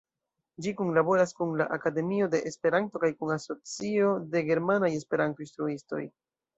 Ĝi kunlaboras kun la Akademio de Esperanto kaj kun Asocio de Germanaj Esperanto-Instruistoj.